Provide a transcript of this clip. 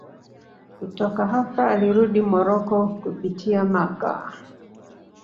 Kutoka hapa alirudi Moroko kupitia Makka.